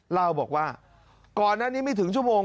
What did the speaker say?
เล่าบอกว่าก่อนหน้านี้ไม่ถึงชั่วโมง